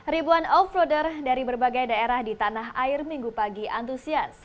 ribuan off roader dari berbagai daerah di tanah air minggu pagi antusias